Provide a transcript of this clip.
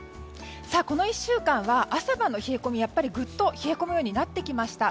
この１週間は、朝晩の冷え込みがぐっと冷え込むようになりました。